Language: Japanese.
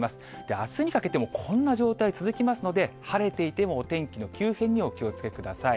あすにかけてもこんな状態、続きますので、晴れていてもお天気の急変にお気をつけください。